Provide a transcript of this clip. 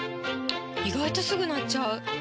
意外とすぐ鳴っちゃう！